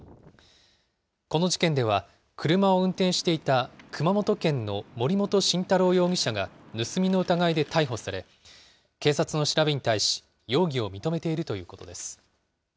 この事件では、車を運転していた熊本県の森本晋太郎容疑者が盗みの疑いで逮捕され、警察の調べに対し、容疑を認めているということです。